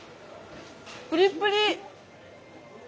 プリプリ！